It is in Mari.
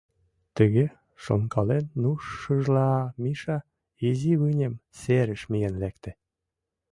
Тыге шонкален нушшыжла Миша изи вынем серыш миен лекте.